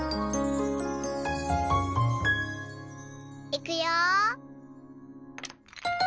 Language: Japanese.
いくよ。